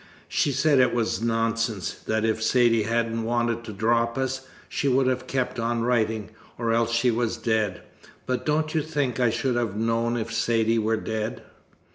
She said it was nonsense; that if Saidee hadn't wanted to drop us, she would have kept on writing, or else she was dead. But don't you think I should have known if Saidee were dead?"